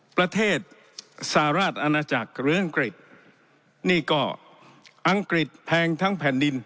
ประเทศสหรัฐอาณาจักรหรืออังกฤษนี่ก็อังกฤษแพงทั้งแผ่นดิน